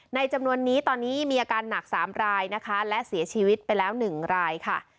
จำนวนนี้ตอนนี้มีอาการหนัก๓รายนะคะและเสียชีวิตไปแล้ว๑รายค่ะ